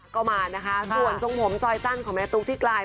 ก็มานะคะส่วนทรงผมซอยสั้นของแม่ตุ๊กที่ไกล